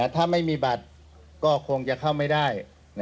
ถ้าไม่มีบัตรก็คงจะเข้าไม่ได้